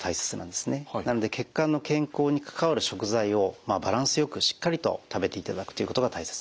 なので血管の健康に関わる食材をバランスよくしっかりと食べていただくということが大切です。